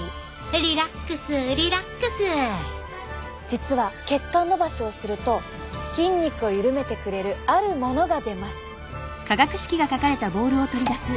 実は血管のばしをすると筋肉を緩めてくれるあるものが出ます。